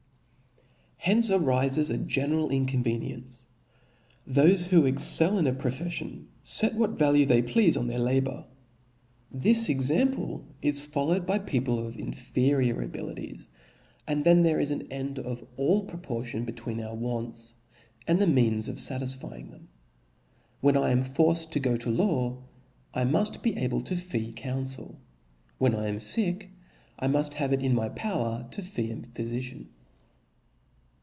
Hence arifes a general inc^venieocy* Thofe who excel ii\ a profeffion, fct wnat value they pleafe oi\ their labour ; this example is followed by people of inferior abilities ; and then there is an end of all proportion between our wants and the means of latisfying them. When I am forced to go to law, I muft be able to fee council ; when I am fick, I mufl have it in my power to fee a phyfician.